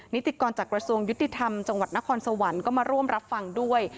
นิติกรจากกระทรวงยุติธรรมจังหวัดนครสวรรค์ก็มาร่วมรับฟังด้วย